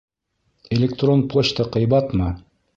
Электрон почта ҡыйбатмы?